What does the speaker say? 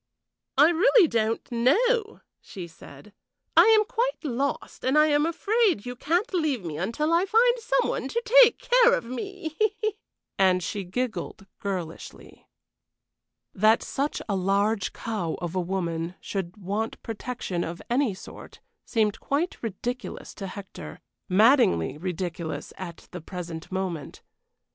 "I really don't know," she said. "I am quite lost, and I am afraid you can't leave me until I find some one to take care of me." And she giggled girlishly. That such a large cow of a woman should want protection of any sort seemed quite ridiculous to Hector maddeningly ridiculous at the present moment.